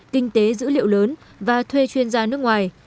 kinh tế dữ liệu lớn và thuê chuyên gia nước ngoài